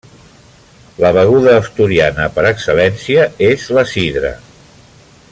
La beguda asturiana per excel·lència és la sidra.